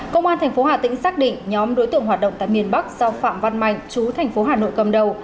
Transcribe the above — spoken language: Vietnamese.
công an tp hà tĩnh xác định nhóm đối tượng hoạt động tại miền bắc do phạm văn mạnh chú thành phố hà nội cầm đầu